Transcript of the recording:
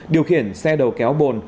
điều khiển xe đầu kéo bồn